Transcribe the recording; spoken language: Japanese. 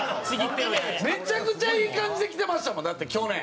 めちゃくちゃいい感じできてましたもんだって去年。